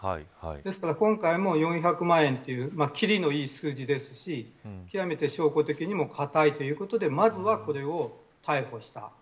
ですから、今回も４００万円と切りのいい数字ですし極めて証拠的にも堅いということでまずは、これを逮捕した。